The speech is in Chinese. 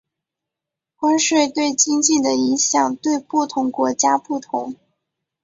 关税对经济的影响对不同国家不同。